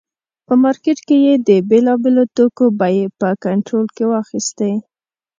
په مارکېټ کې یې د بېلابېلو توکو بیې په کنټرول کې واخیستې.